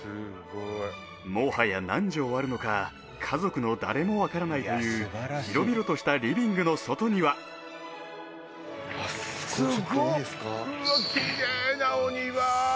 もはや何畳あるのか家族の誰もわからないという広々としたリビングの外にはここちょっといいですか？